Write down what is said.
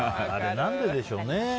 何ででしょうね。